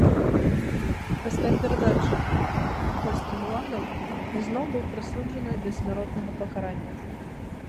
Пасля перадачы польскім уладам ізноў быў прысуджаны да смяротнага пакарання.